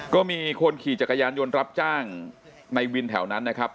ก็มีคนขี่จักรยานยนต์รับจ้างในวินแถวนั้นนะครับ